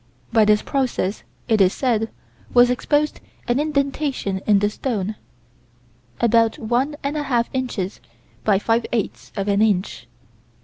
By this process, it is said, was exposed an indentation in the stone, about one and a half inches by five eighths of an inch.